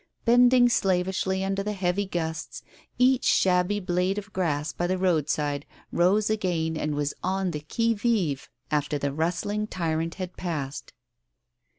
Bend ing slavishly under the heavy gusts, each shabby blade of grass by the roadside rose again and was on the qui vive after the rustling tyrant had passed.